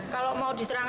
kalau mau diserang